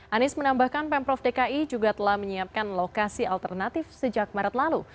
anies menambahkan pemprov dki juga telah menyiapkan lokasi alternatif sejak maret lalu